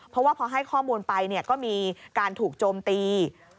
เพราะว่าพอให้ข้อมูลไปก็มีการถูกโจมตี